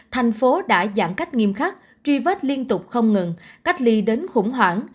thành phố đã giãn cách nghiêm khắc truy vết liên tục không ngừng cách ly đến khủng hoảng